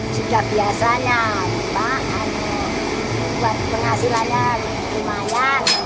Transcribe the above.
saya bekerja di keragang di jawa